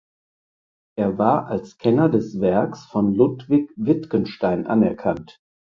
Er war als Kenner des Werks von Ludwig Wittgenstein anerkannt.